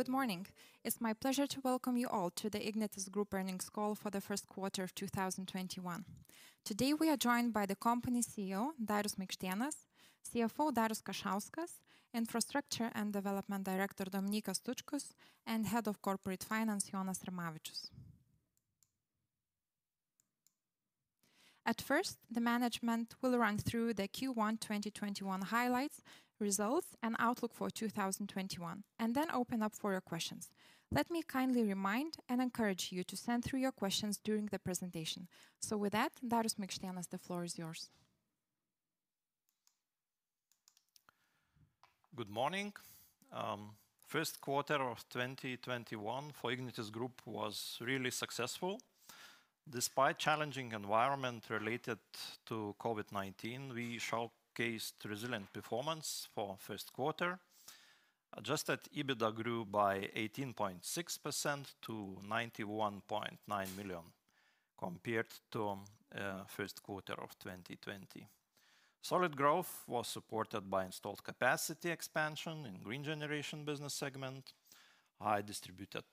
Good morning. It's my pleasure to welcome you all to the Ignitis Group earnings call for the first quarter of 2021. Today, we are joined by the Company CEO, Darius Maikštėnas, CFO, Darius Kašauskas, Infrastructure and Development Director, Dominykas Tučkus, and Head of Corporate Finance, Jonas Rimavičius. At first, the management will run through the Q1 2021 highlights, results, and outlook for 2021, and then open up for your questions. Let me kindly remind and encourage you to send through your questions during the presentation. With that, Darius Maikštėnas, the floor is yours. Good morning. First quarter of 2021 for Ignitis Group was really successful. Despite challenging environment related to COVID-19, we showcased resilient performance for first quarter. Adjusted EBITDA grew by 18.6% to 91.9 million compared to first quarter of 2020. Solid growth was supported by installed capacity expansion in Green Generation business segment, high distributed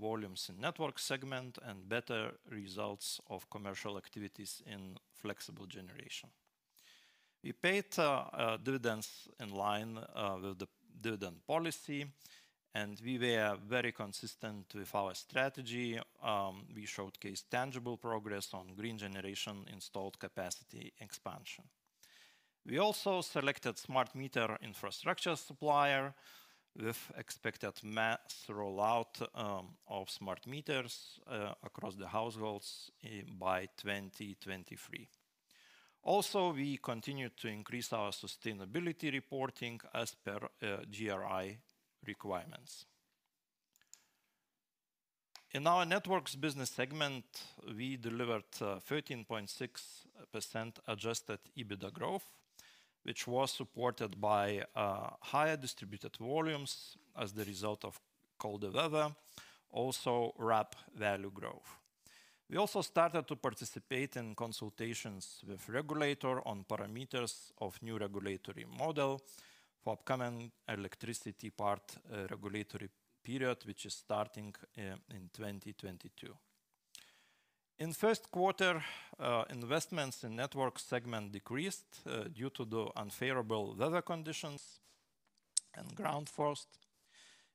volumes in Network segment, and better results of commercial activities in flexible generation. We paid dividends in line with the dividend policy, and we were very consistent with our strategy. We showcased tangible progress on green generation installed capacity expansion. We also selected smart meter infrastructure supplier with expected mass rollout of smart meters across the households by 2023. We continued to increase our sustainability reporting as per GRI requirements. In our Networks business segment, we delivered 13.6% adjusted EBITDA growth, which was supported by higher distributed volumes as the result of colder weather, also RAB value growth. We also started to participate in consultations with regulator on parameters of new regulatory model for upcoming electricity part regulatory period, which is starting in 2022. In first quarter, investments in Network segment decreased due to the unfavorable weather conditions and ground frost.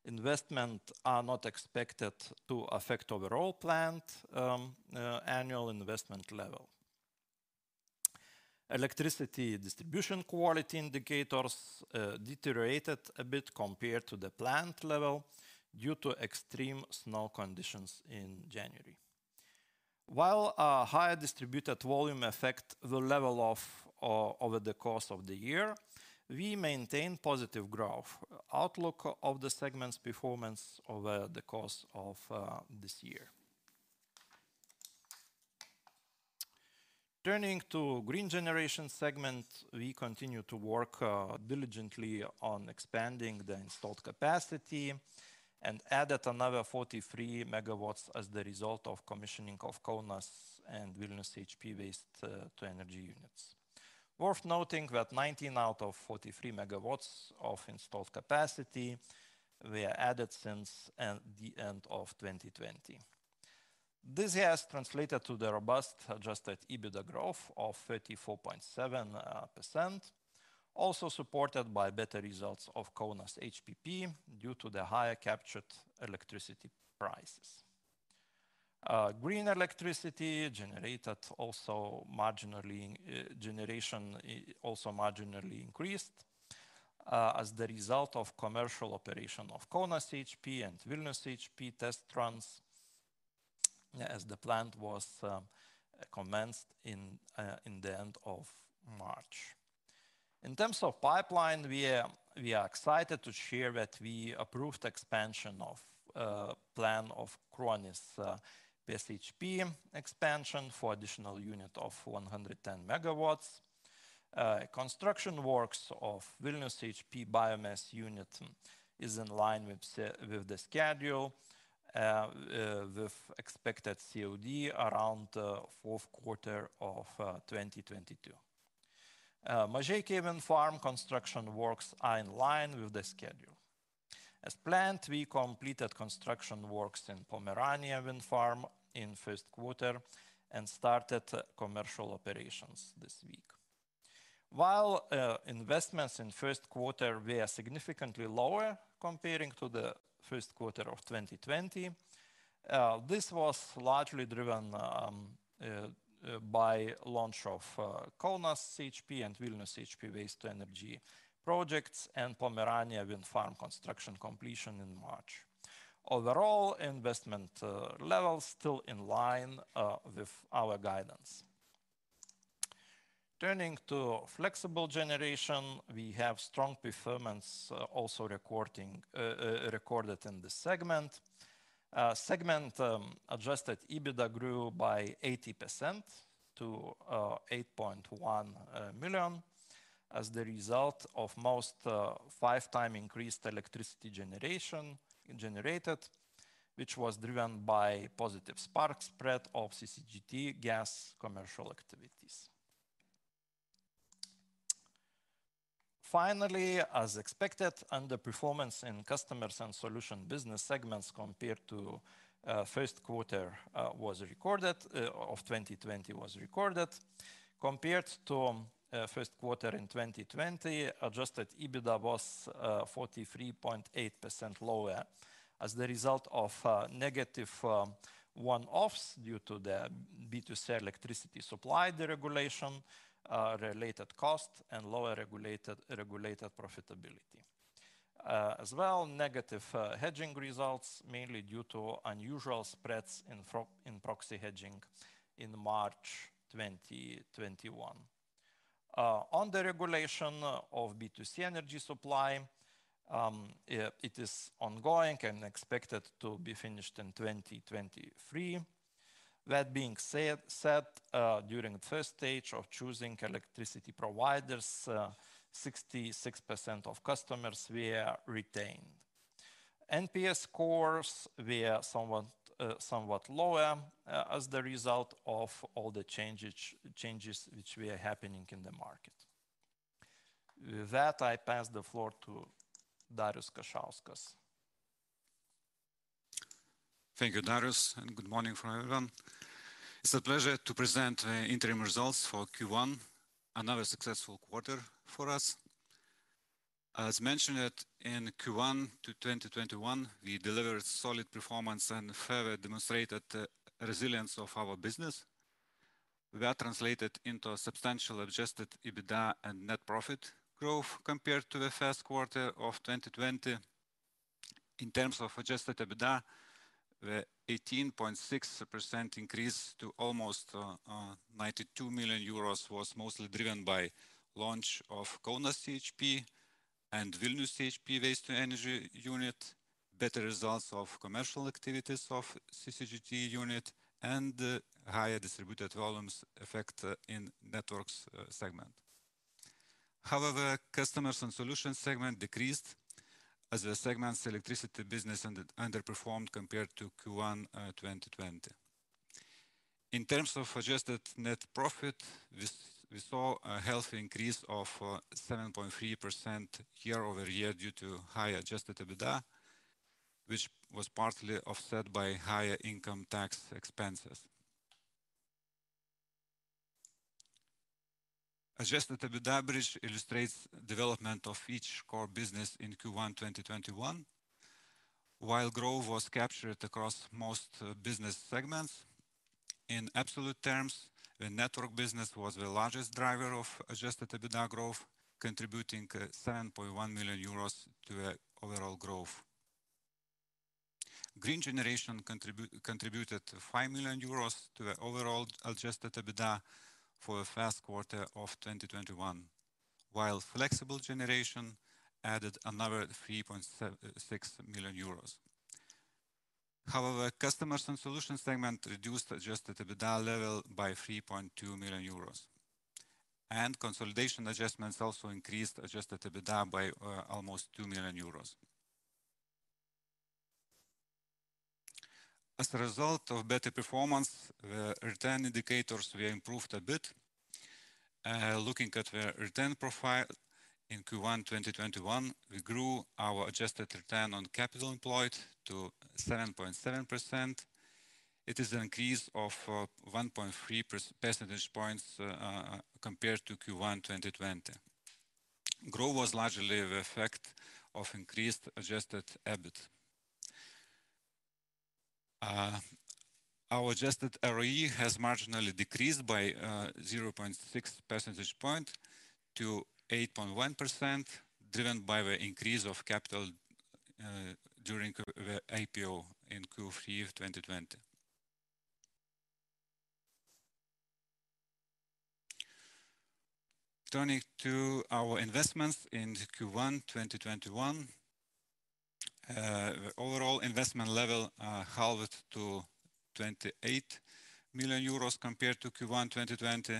Investment are not expected to affect overall planned annual investment level. Electricity distribution quality indicators deteriorated a bit compared to the planned level due to extreme snow conditions in January. While higher distributed volume affect the level over the course of the year, we maintain positive growth outlook of the segment's performance over the course of this year. Turning to Green Generation segment, we continue to work diligently on expanding the installed capacity and added another 43 MW as the result of commissioning of Kaunas CHP and Vilnius CHP waste-to-energy units. Worth noting that 19 out of 43 MW of installed capacity were added since the end of 2020. This has translated to the robust adjusted EBITDA growth of 34.7%, also supported by better results of Kaunas HPP due to the higher captured electricity prices. Green electricity generation also marginally increased as the result of commercial operation of Kaunas CHP and Vilnius CHP test runs, as the plant was commenced in the end of March. In terms of pipeline, we are excited to share that we approved expansion of plan of Kruonis PSHP expansion for additional unit of 110 MW. Construction works of Vilnius CHP biomass unit is in line with the schedule with expected COD around fourth quarter of 2022. Mažeikiai Wind Farm construction works are in line with the schedule. As planned, we completed construction works in Pomerania Wind Farm in first quarter and started commercial operations this week. While investments in first quarter were significantly lower comparing to the first quarter of 2020, this was largely driven by launch of Kaunas CHP and Vilnius CHP waste to energy projects and Pomerania Wind Farm construction completion in March. Overall, investment levels still in line with our guidance. Turning to flexible generation, we have strong performance also recorded in this segment. Segment adjusted EBITDA grew by 80% to 8.1 million as the result of most five times increased electricity generated, which was driven by positive spark spread of CCGT gas commercial activities. As expected, underperformance in customers and solution business segments compared to first quarter of 2020 was recorded. Compared to first quarter in 2020, adjusted EBITDA was 43.8% lower as the result of negative one-offs due to the B2C electricity supply deregulation, related cost, and lower regulated profitability. Negative hedging results, mainly due to unusual spreads in proxy hedging in March 2021. On the regulation of B2C energy supply, it is ongoing and expected to be finished in 2023. That being said, during stage 1 of choosing electricity providers, 66% of customers were retained. NPS scores were somewhat lower as the result of all the changes which were happening in the market. With that, I pass the floor to Darius Kašauskas. Thank you, Darius. Good morning from everyone. It's a pleasure to present the interim results for Q1, another successful quarter for us. As mentioned, in Q1 to 2021, we delivered solid performance and further demonstrated the resilience of our business. That translated into a substantial adjusted EBITDA and net profit growth compared to the first quarter of 2020. In terms of adjusted EBITDA, the 18.6% increase to almost 92 million euros was mostly driven by launch of Kaunas CHP and Vilnius CHP waste energy unit, better results of commercial activities of CCGT unit, and the higher distributed volumes effect in Networks segment. However, Customers and solutions segment decreased as the segment's electricity business underperformed compared to Q1 2020. In terms of adjusted net profit, we saw a healthy increase of 7.3% year-over-year due to higher adjusted EBITDA, which was partly offset by higher income tax expenses. Adjusted EBITDA bridge illustrates development of each core business in Q1 2021. While growth was captured across most business segments, in absolute terms, the network business was the largest driver of adjusted EBITDA growth, contributing 7.1 million euros to the overall growth. Green generation contributed 5 million euros to the overall adjusted EBITDA for the first quarter of 2021, while flexible generation added another 3.6 million euros. Customers and solutions segment reduced adjusted EBITDA level by 3.2 million euros. Consolidation adjustments also increased adjusted EBITDA by almost 2 million euros. As a result of better performance, return indicators were improved a bit. Looking at the return profile in Q1 2021, we grew our adjusted return on capital employed to 7.7%. It is an increase of 1.3 percentage points compared to Q1 2020. Growth was largely the effect of increased adjusted EBIT. Our adjusted ROE has marginally decreased by 0.6 percentage point to 8.1%, driven by the increase of capital during IPO in Q3 of 2020. Turning to our investments in Q1 2021. Overall investment level halved to 28 million euros compared to Q1 2020,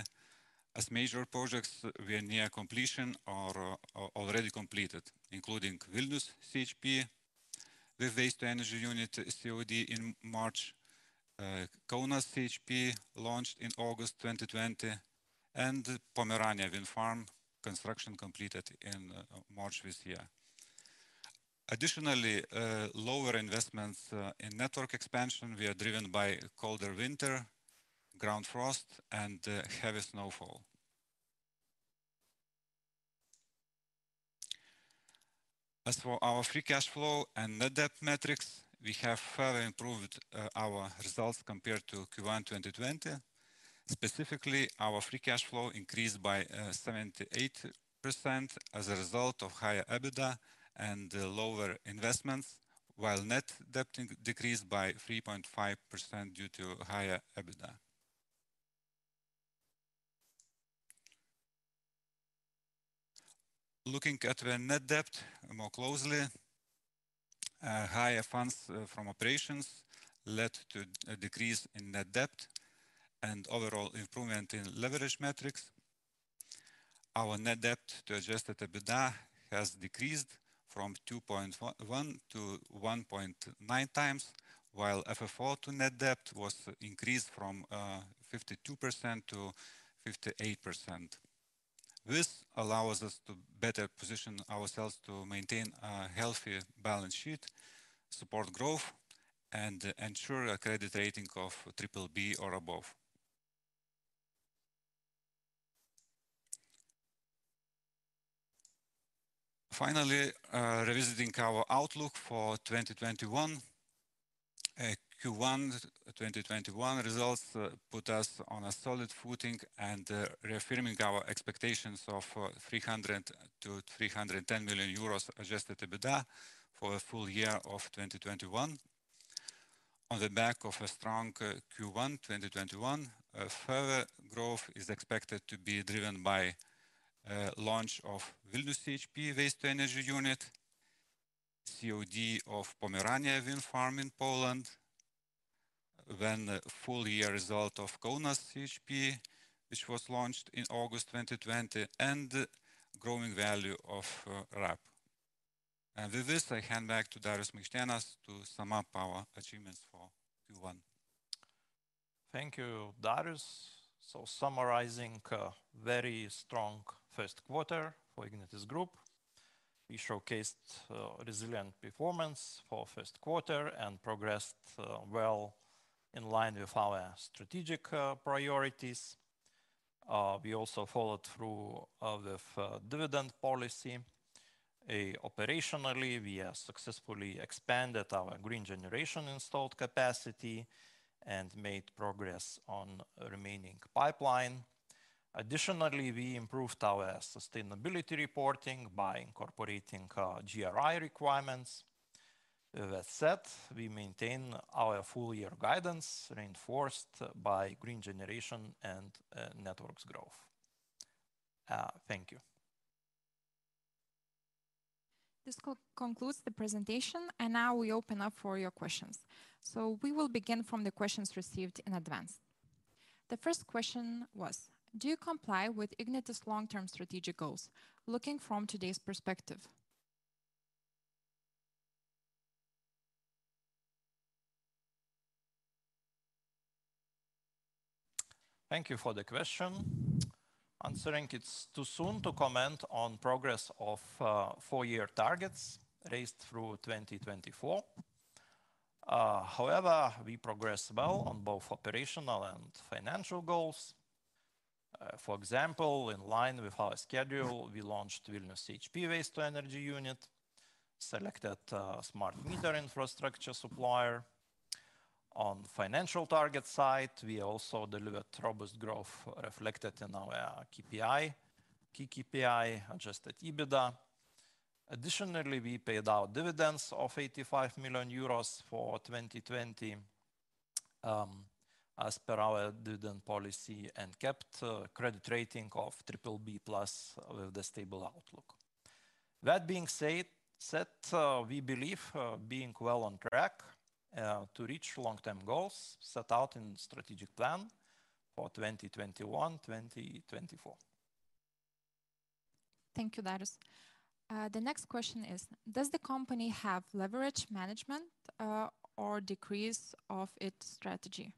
as major projects were near completion or already completed, including Vilnius CHP, the waste energy unit COD in March, Kaunas CHP launched in August 2020, and Pomerania Wind Farm construction completed in March this year. Lower investments in network expansion were driven by colder winter, ground frost, and heavy snowfall. As for our free cash flow and net debt metrics, we have further improved our results compared to Q1 2020. Specifically, our free cash flow increased by 78% as a result of higher EBITDA and lower investments, while net debt decreased by 3.5% due to higher EBITDA. Looking at the net debt more closely, higher funds from operations led to a decrease in net debt and overall improvement in leverage metrics. Our net debt to adjusted EBITDA has decreased from 2.1 to 1.9 times, while FFO to net debt was increased from 52% to 58%. This allows us to better position ourselves to maintain a healthy balance sheet, support growth, and ensure a credit rating of BBB+ or above. Finally, revisiting our outlook for 2021. Q1 2021 results put us on a solid footing and reaffirming our expectations of 300 million-310 million euros adjusted EBITDA for a full year of 2021. On the back of a strong Q1 2021, further growth is expected to be driven by launch of Vilnius CHP waste energy unit, COD of Pomerania Wind Farm in Poland, full year result of Kaunas CHP, which was launched in August 2020, and growing value of RAB. With this, I hand back to Darius Maikštėnas to sum up our achievements for Q1. Thank you, Darius. Summarizing a very strong first quarter for Ignitis Group. We showcased resilient performance for first quarter and progressed well in line with our strategic priorities. We also followed through with dividend policy. Operationally, we have successfully expanded our green generation installed capacity and made progress on remaining pipeline. Additionally, we improved our sustainability reporting by incorporating GRI requirements. That said, we maintain our full year guidance reinforced by green generation and networks growth. Thank you. This concludes the presentation, and now we open up for your questions. We will begin from the questions received in advance. The first question was. Do you comply with Ignitis long-term strategic goals, looking from today's perspective? Thank you for the question. It's too soon to comment on progress of four-year targets raised through 2024. We progress well on both operational and financial goals. In line with our schedule, we launched Vilnius CHP waste to energy unit, selected smart meter infrastructure supplier. On financial target side, we also delivered robust growth reflected in our key KPI, adjusted EBITDA. We paid out dividends of 85 million euros for 2020, as per our dividend policy and kept credit rating of BBB+ with a stable outlook. We believe being well on track to reach long-term goals set out in strategic plan for 2021-2024. Thank you, Darius. The next question is. Does the company have leverage management or decrease of its strategy?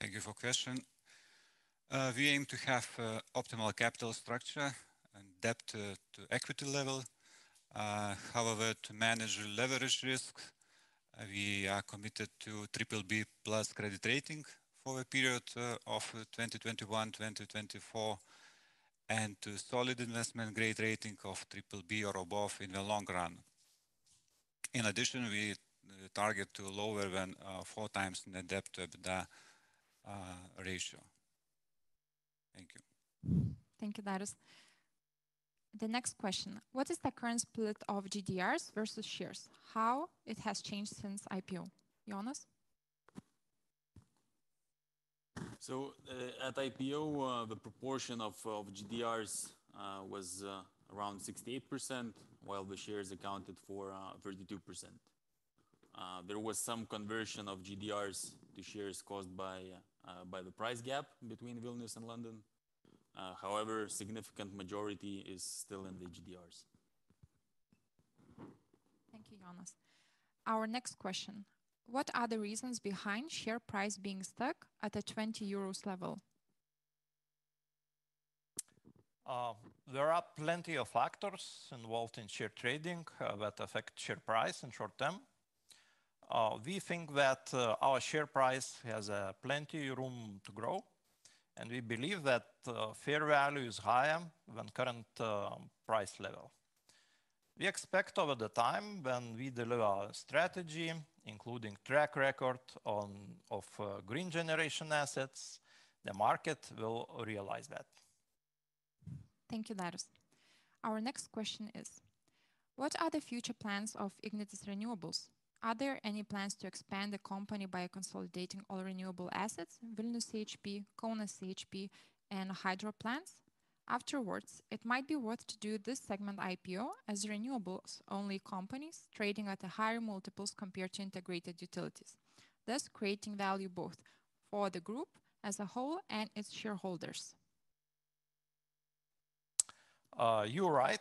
Thank you for question. We aim to have optimal capital structure and debt-to-equity level. However, to manage leverage risk, we are committed to BBB+ credit rating for a period of 2021-2024 and to solid investment-grade rating of BBB or above in the long run. In addition, we target to lower than 4 times net debt to EBITDA ratio. Thank you. Thank you, Darius. The next question. What is the current split of GDRs versus shares? How it has changed since IPO? Jonas? At IPO, the proportion of GDRs was around 68%, while the shares accounted for 32%. There was some conversion of GDRs to shares caused by the price gap between Vilnius and London. Significant majority is still in the GDRs. Thank you, Jonas. Our next question. What are the reasons behind share price being stuck at the 20 euros level? There are plenty of factors involved in share trading that affect share price in short term. We think that our share price has plenty room to grow, and we believe that fair value is higher than current price level. We expect over the time when we deliver our strategy, including track record of green generation assets, the market will realize that. Thank you, Darius. Our next question is. What are the future plans of Ignitis Renewables? Are there any plans to expand the company by consolidating all renewable assets, Vilnius CHP, Kaunas CHP, and hydro plants? Afterwards, it might be worth to do this segment IPO as renewables-only companies trading at a higher multiples compared to integrated utilities, thus creating value both for the Group as a whole and its shareholders. You're right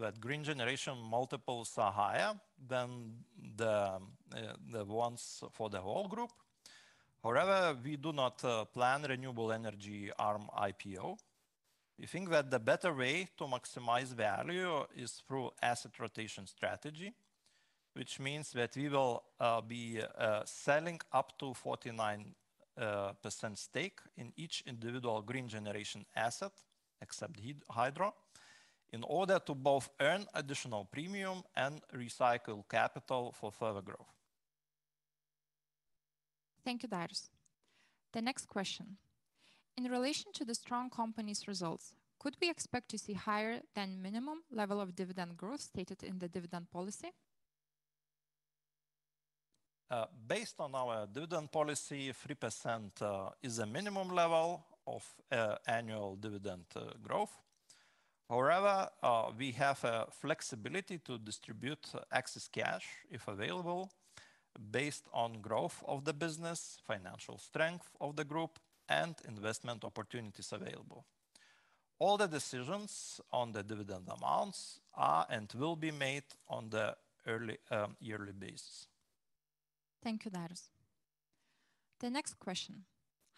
that green generation multiples are higher than the ones for the whole group. We do not plan renewable energy arm IPO. We think that the better way to maximize value is through asset rotation strategy, which means that we will be selling up to 49% stake in each individual green generation asset, except hydro, in order to both earn additional premium and recycle capital for further growth. Thank you, Darius. The next question. In relation to the strong company's results, could we expect to see higher than minimum level of dividend growth stated in the dividend policy? Based on our dividend policy, 3% is a minimum level of annual dividend growth. We have flexibility to distribute excess cash, if available, based on growth of the business, financial strength of the Group, and investment opportunities available. All the decisions on the dividend amounts are and will be made on the yearly basis. Thank you, Darius. The next question.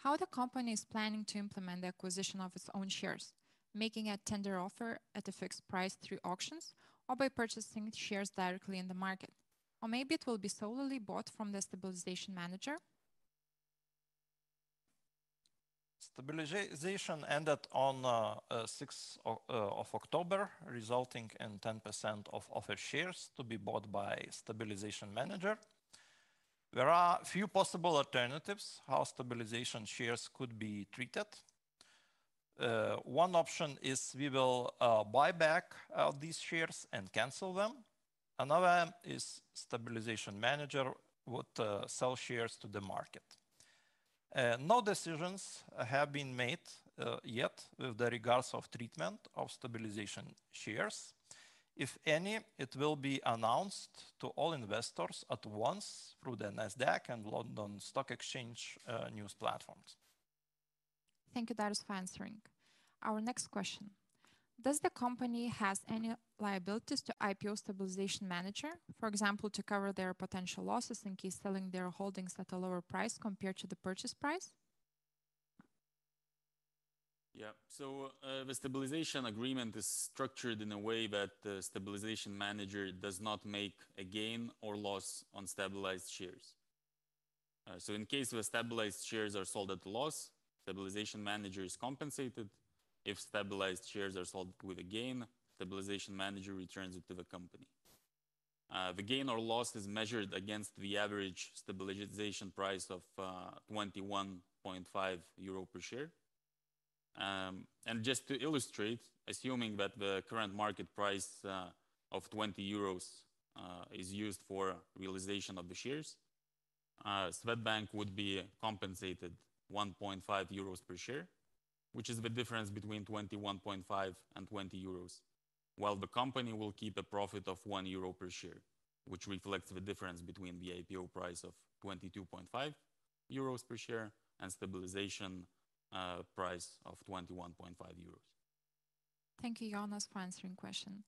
How the company is planning to implement the acquisition of its own shares, making a tender offer at a fixed price through auctions or by purchasing shares directly in the market? Or maybe it will be solely bought from the stabilization manager? Stabilization ended on 6th of October, resulting in 10% of offered shares to be bought by stabilization manager. There are a few possible alternatives how stabilization shares could be treated. One option is we will buy back these shares and cancel them. Another one is stabilization manager would sell shares to the market. No decisions have been made yet with regards of treatment of stabilization shares. If any, it will be announced to all investors at once through the Nasdaq and London Stock Exchange news platforms. Thank you, Darius, for answering. Our next question. Does the company have any liabilities to IPO stabilization manager, for example, to cover their potential losses in case selling their holdings at a lower price compared to the purchase price? Yeah. The stabilization agreement is structured in a way that the stabilization manager does not make a gain or loss on stabilized shares. In case the stabilized shares are sold at a loss, stabilization manager is compensated. If stabilized shares are sold with a gain, stabilization manager returns it to the company. The gain or loss is measured against the average stabilization price of 21.5 euro per share. Just to illustrate, assuming that the current market price of 20 euros is used for realization of the shares, Swedbank would be compensated 1.5 euros per share, which is the difference between 21.5 and 20 euros, while the company will keep a profit of 1 euro per share, which reflects the difference between the IPO price of 22.5 euros per share and stabilization price of 21.5 euros. Thank you, Jonas, for answering question.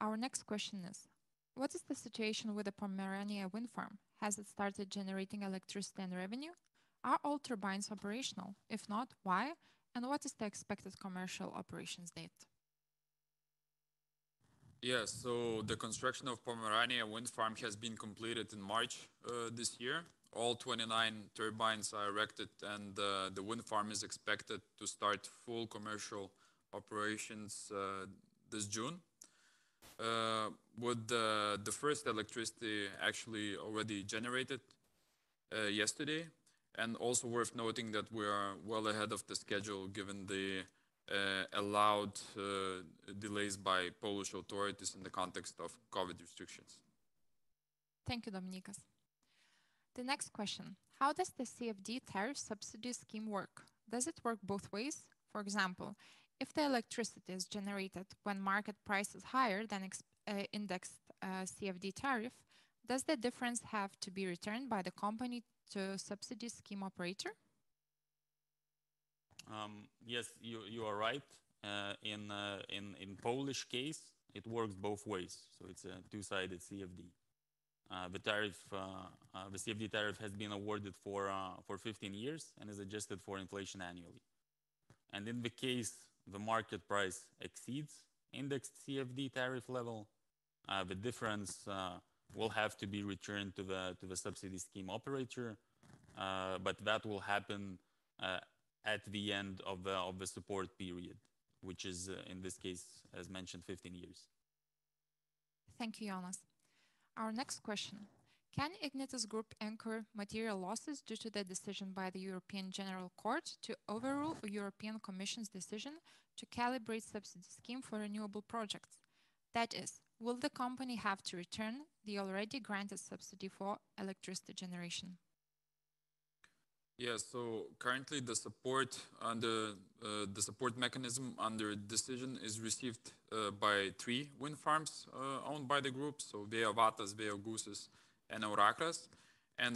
Our next question is. What is the situation with the Pomerania Wind Farm? Has it started generating electricity and revenue? Are all turbines operational? If not, why? What is the expected commercial operations date? Yeah. The construction of Pomerania Wind Farm has been completed in March this year. All 29 turbines are erected, and the wind farm is expected to start full commercial operations this June. With the first electricity actually already generated yesterday, and also worth noting that we are well ahead of the schedule given the allowed delays by Polish authorities in the context of COVID restrictions. Thank you, Dominykas. The next question. How does the CFD tariff subsidy scheme work? Does it work both ways? For example, if the electricity is generated when market price is higher than indexed CFD tariff, does the difference have to be returned by the company to subsidy scheme operator? Yes, you are right. In Polish case, it works both ways, it's a two-sided CFD. The CFD tariff has been awarded for 15 years and is adjusted for inflation annually. In the case the market price exceeds indexed CFD tariff level, the difference will have to be returned to the subsidy scheme operator. That will happen at the end of the support period, which is, in this case, as mentioned, 15 years. Thank you, Jonas. Our next question. Can Ignitis Group incur material losses due to the decision by the European General Court to overrule the European Commission's decision to calibrate subsidy scheme for renewable projects? That is, will the company have to return the already granted subsidy for electricity generation? Yeah. Currently, the support mechanism under decision is received by three wind farms owned by the group, Vėjų Vatas, Vėjo Gūsis, and EURAKRAS.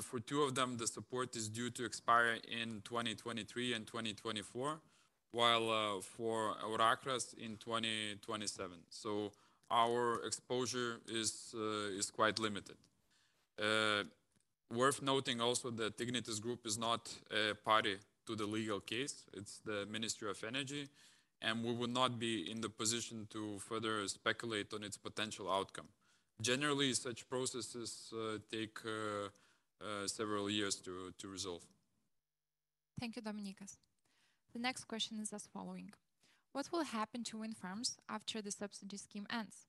For two of them, the support is due to expire in 2023 and 2024, while for EURAKRAS in 2027. Our exposure is quite limited. Worth noting also that Ignitis Group is not a party to the legal case. It is the Ministry of Energy, and we would not be in the position to further speculate on its potential outcome. Generally, such processes take several years to resolve. Thank you, Dominykas. The next question is as following. What will happen to wind farms after the subsidy scheme ends?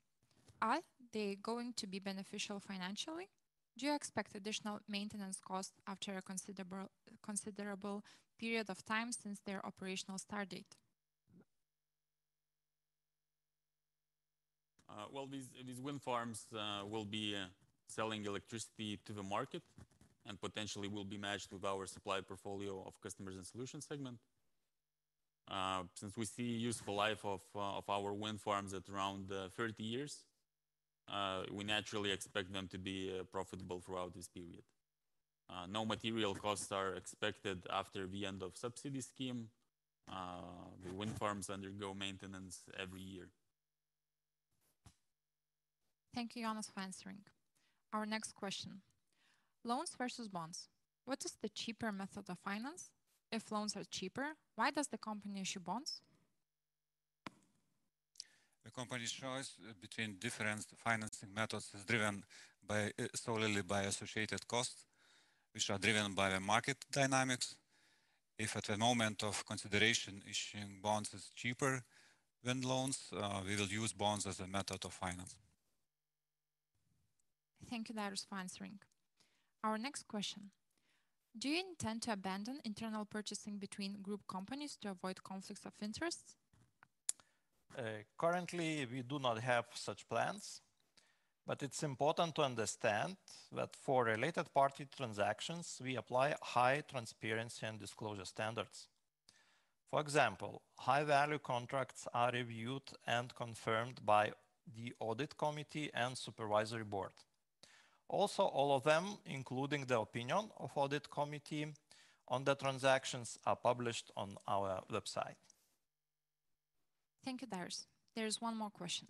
Are they going to be beneficial financially? Do you expect additional maintenance costs after a considerable period of time since their operational start date? Well, these wind farms will be selling electricity to the market and potentially will be matched with our supply portfolio of Customers and solutions segment. Since we see useful life of our wind farms at around 30 years, we naturally expect them to be profitable throughout this period. No material costs are expected after the end of subsidy scheme. The wind farms undergo maintenance every year. Thank you, Jonas, for answering. Our next question. Loans versus bonds. What is the cheaper method of finance? If loans are cheaper, why does the company issue bonds? The company's choice between different financing methods is driven solely by associated costs, which are driven by the market dynamics. If at the moment of consideration issuing bonds is cheaper than loans, we'll use bonds as a method of finance. Thank you, Darius, for answering. Our next question. Do you intend to abandon internal purchasing between group companies to avoid conflicts of interest? Currently, we do not have such plans, but it's important to understand that for related party transactions, we apply high transparency and disclosure standards. For example, high-value contracts are reviewed and confirmed by the audit committee and supervisory board. Also, all of them, including the opinion of audit committee on the transactions, are published on our website. Thank you, Darius. There's one more question.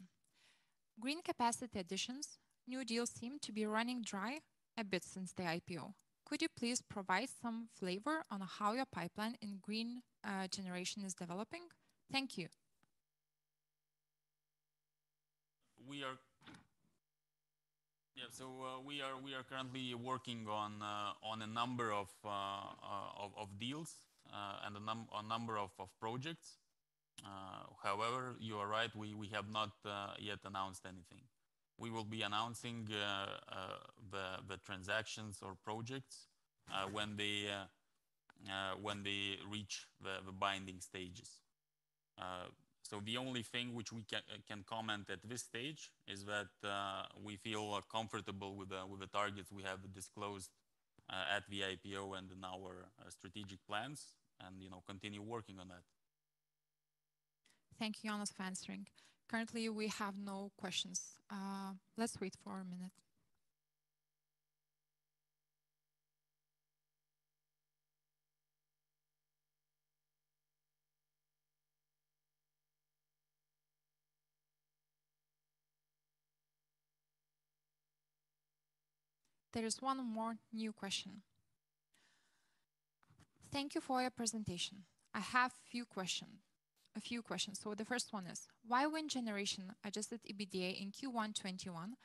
Green capacity additions, new deals seem to be running dry a bit since the IPO. Could you please provide some flavor on how your pipeline and green generation is developing? Thank you. We are currently working on a number of deals and a number of projects. However, you are right, we have not yet announced anything. We will be announcing the transactions or projects when they reach the binding stages. The only thing which we can comment at this stage is that we feel comfortable with the target we have disclosed at the IPO and in our strategic plans and continue working on it. Thank you, Jonas, for answering. Currently, we have no questions. Let's wait for a minute. There is one more new question. Thank you for your presentation. I have a few questions. The first one is, why wind generation adjusted EBITDA in Q1 2021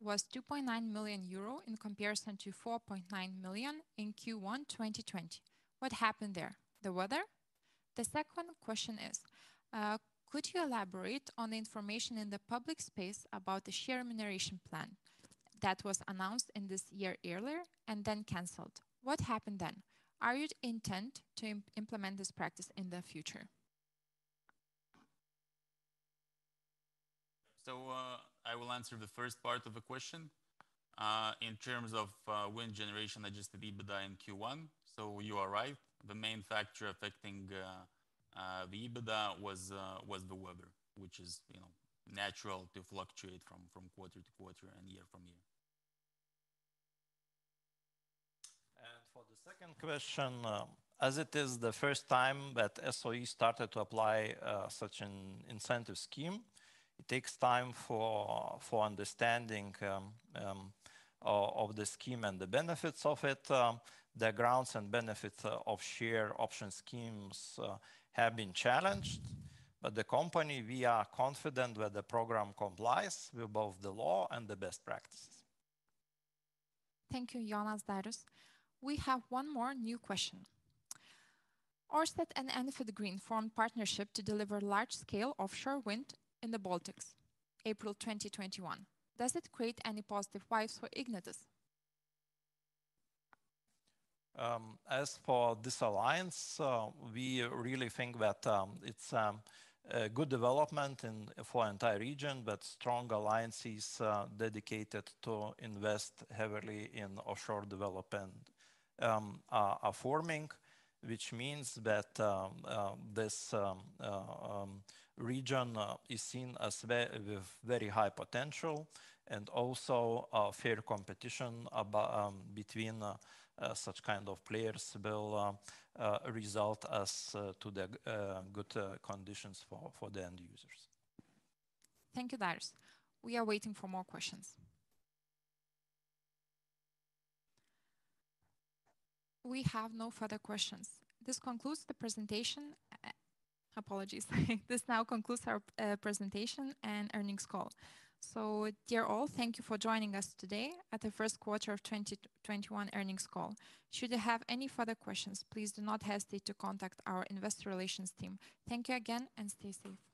was 2.9 million euro in comparison to 4.9 million in Q1 2020? What happened there? The weather? The second question is, could you elaborate on the information in the public space about the share remuneration plan that was announced in this year earlier and then canceled? What happened then? Are you intent to implement this practice in the future? I will answer the first part of the question. In terms of wind generation adjusted EBITDA in Q1, you are right, the main factor affecting the EBITDA was the weather, which is natural to fluctuate from quarter to quarter and year from year. For the second question, as it is the first time that SOE started to apply such an incentive scheme, it takes time for understanding of the scheme and the benefits of it. The grounds and benefits of share option schemes have been challenged, but the company, we are confident that the program complies with both the law and the best practices. Thank you, Jonas, Darius. We have one more new question. Ørsted and Enefit Green formed partnership to deliver large scale offshore wind in the Baltics, April 2021. Does it create any positive vibes for Ignitis? As for this alliance, we really think that it's a good development for entire region, that strong alliance is dedicated to invest heavily in offshore development are forming, which means that this region is seen as with very high potential and also fair competition between such kind of players will result as to the good conditions for the end users. Thank you, Darius. We are waiting for more questions. We have no further questions. This concludes the presentation. Apologies. This now concludes our presentation and earnings call. Dear all, thank you for joining us today at the first quarter of 2021 earnings call. Should you have any further questions, please do not hesitate to contact our investor relations team. Thank you again, and stay safe.